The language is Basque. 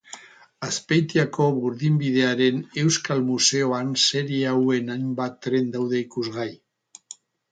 Azpeitiako Burdinbidearen Euskal Museoan serie hauen hainbat tren daude ikusgai.